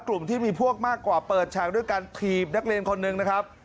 กลุ่มที่มีพวกมากกว่าเปิดฉากด้วยการถีบนักเรียนคนหนึ่งนะครับ